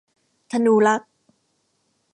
ธนูลักษณ์